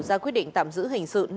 ra quyết định tạm giữ hình sự